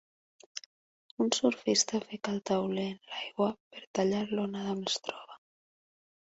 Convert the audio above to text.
Un surfista fica el tauler en l'aigua per tallar l'onada on es troba.